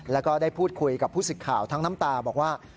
แล้วก็ได้พูดคุยกับผู้สิทธิ์ข่าวทั้งน้ำตาบอกว่า